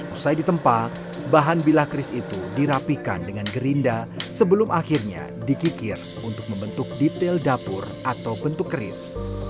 usai ditempa bahan bila keris itu dirapikan dengan gerinda sebelum akhirnya dikikir untuk membentuk detail dapur atau bentuk keris